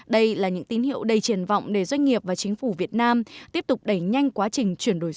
đây là những tín hiệu đầy triển vọng để doanh nghiệp và chính phủ việt nam tiếp tục đẩy nhanh quá trình chuyển đổi số